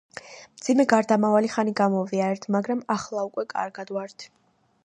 მძიმე გარდამავალი ხანი გამოვიარეთ, მაგრამ ახლა უკვე კარგად ვართ.